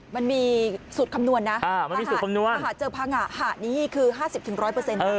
มันมีสูตรคำนวณประหะเจอพาหะห้านี้คือ๕๐ถึง๑๐๐เปอร์เซ็นต์